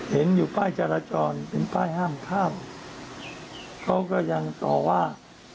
เห็นอยู่ป้ายจราจรเป็นป้ายห้ามข้ามเขาก็ยังต่อว่า